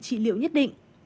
chỉ liệu nhất định